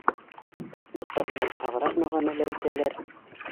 — Дуҫтар менән һағыраҡ мөғәмәлә итәләр